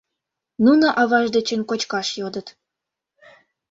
Нуно авашт дечын кочкаш йодыт.